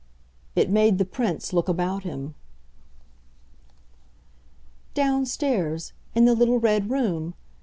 it made the Prince look about him. "Downstairs in the little red room.